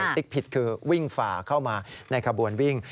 ติ๊กผิดคือวิ่งฝ่าเข้ามาในขบวนวิ่ง